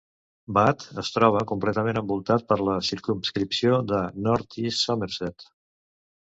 Bath es troba completament envoltat per la circumscripció de North-East Somerset.